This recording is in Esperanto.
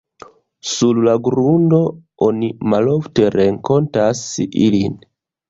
Sur la grundo oni malofte renkontas ilin.